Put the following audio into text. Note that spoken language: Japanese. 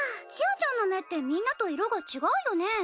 ちあちゃんの目ってみんなと色が違うよね。